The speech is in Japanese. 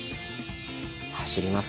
走ります？